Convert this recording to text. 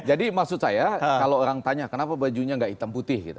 jadi maksud saya kalau orang tanya kenapa bajunya nggak hitam putih gitu